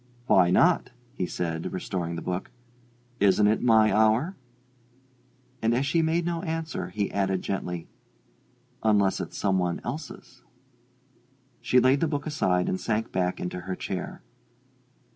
"Why not?" he said, restoring the book. "Isn't it my hour?" And as she made no answer, he added gently, "Unless it's some one else's?" She laid the book aside and sank back into her chair.